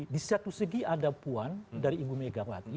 di satu segi ada puan dari ibu megawati